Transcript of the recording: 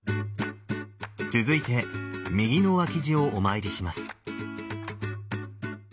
続いて右の脇侍をお参りします。